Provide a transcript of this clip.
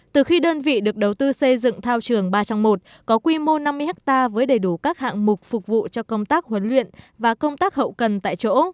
từ khi đơn vị được đầu tư xây dựng thao trường ba trong một có quy mô năm mươi ha với đầy đủ các hạng mục phục vụ cho công tác huấn luyện và công tác hậu cần tại chỗ